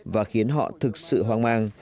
và khiến họ thực sự hoang mang